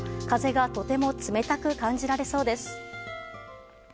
風がとても冷たく感じられそうです。